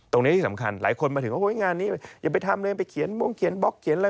ที่สำคัญหลายคนมาถึงว่างานนี้อย่าไปทำเลยไปเขียนบงเขียนบล็อกเขียนอะไร